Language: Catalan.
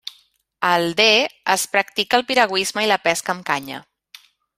Al Dee es practica el piragüisme i la pesca amb canya.